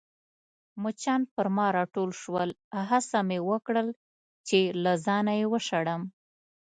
مچان پر ما راټول شول، هڅه مې وکړل چي له ځانه يې وشړم.